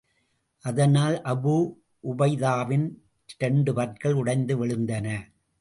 அதனால் அபூ உபைதாவின் இரண்டு பற்கள் உடைந்து விழுந்தன.